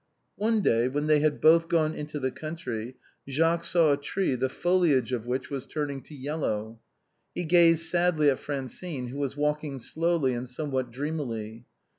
One day, when they had both gone into the country, Jacques saw a tree the foliage of which was turning to yellow. He gazed sadly at Francine, who was walking slowly and somewhat dreamily.